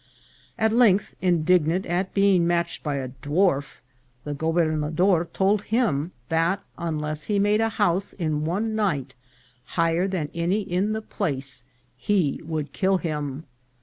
At length, indignant at being matched by a dwarf, the gobernador told him that, un less he made a house in one night higher than any in the place, he would kill him.